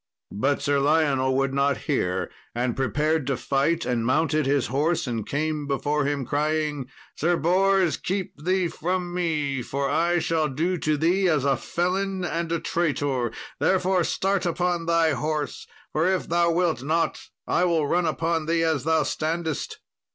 But Sir Lionel would not hear, and prepared to fight and mounted his horse and came before him, crying, "Sir Bors, keep thee from me, for I shall do to thee as a felon and a traitor; therefore, start upon thy horse, for if thou wilt not, I will run upon thee as thou standest."